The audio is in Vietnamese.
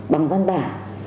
bằng văn bản